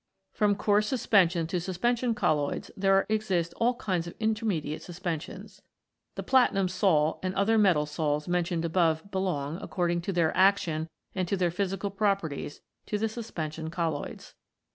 From coarse suspensions to suspension colloids there exist all kinds of intermediate suspensions. The platinum sol and the other metal sols mentioned above belong, according to their action and to their physical properties, to the suspension colloids.